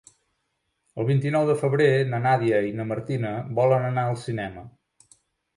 El vint-i-nou de febrer na Nàdia i na Martina volen anar al cinema.